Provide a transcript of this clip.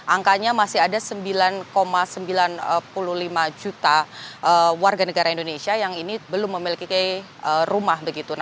angkanya masih ada sembilan sembilan puluh lima juta warga negara indonesia yang ini belum memiliki rumah